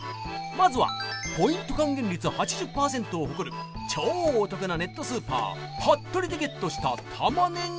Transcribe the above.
まずはポイント還元率８０パーセントを誇る超お得なネットスーパーハットリでゲットした玉ねぎ